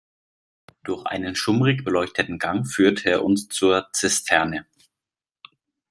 Durch einen schummrig beleuchteten Gang führte er uns zur Zisterne.